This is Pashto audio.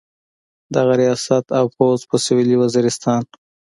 دغه ریاست او فوځ په سویلي وزیرستان.